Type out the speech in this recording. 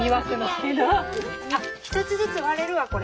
あっ１つずつ割れるわこれ。